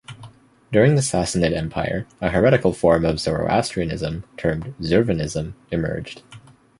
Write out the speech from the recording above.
During the Sassanid Empire, a heretical form of Zoroastrianism, termed Zurvanism, emerged.